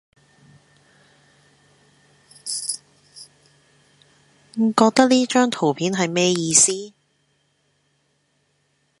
覺得呢張圖片係咩意思？